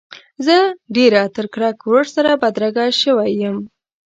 زه ډېره تر کرک ورسره بدرګه شوی یم.